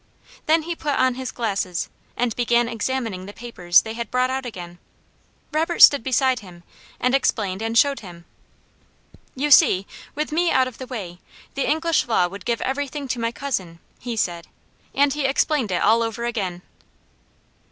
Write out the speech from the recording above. Then he put on his glasses, and began examining the papers they had brought out again. Robert stood beside him, and explained and showed him. "You see with me out of the way, the English law would give everything to my cousin," he said, and he explained it all over again.